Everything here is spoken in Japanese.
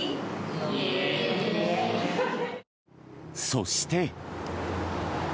そして。